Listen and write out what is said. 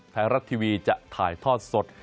ไทยรัฐทีวีจะถ่ายทอดสด